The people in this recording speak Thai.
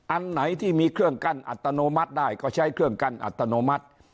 อันไหนที่มีเครื่องกั้นอัตโนมัติได้ก็ใช้เครื่องกั้นอัตโนมัติ